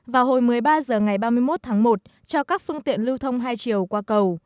vào hồi một mươi ba h ngày ba mươi một tháng một cho các phương tiện lưu thông hai chiều qua cầu